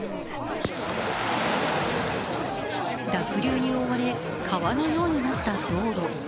濁流に覆われ、川のようになった道路。